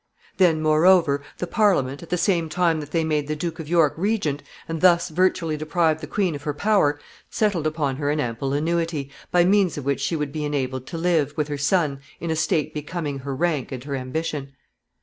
] Then, moreover, the Parliament, at the same time that they made the Duke of York regent, and thus virtually deprived the queen of her power, settled upon her an ample annuity, by means of which she would be enabled to live, with her son, in a state becoming her rank and her ambition.